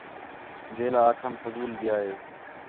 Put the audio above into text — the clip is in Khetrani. جیلا آکھام فضول ڳِیا ہِے